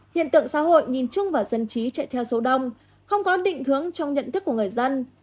hiện tượng xã hội nhìn chung vào dân trí chạy theo số đông không có định hướng trong nhận thức của người dân